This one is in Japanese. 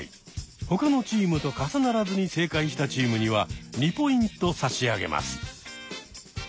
ほかのチームと重ならずに正解したチームには２ポイント差し上げます。